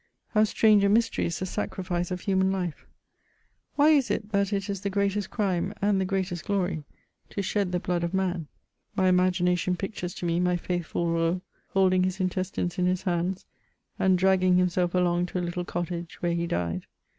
How strange a mystery is the sacrifice of human life ! Why is it that it is the greatest crime and the greatest glory, to shed the blood of man ? My imagination pictures to me my faithful Raulx holding his intestines in his hands, and drawing himself along to a little cottage where he died.